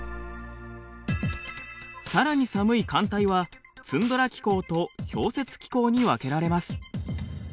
さらに寒い寒帯はツンドラ気候と氷雪気候に分けられます。